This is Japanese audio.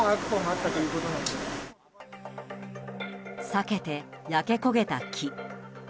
裂けて焼け焦げた木。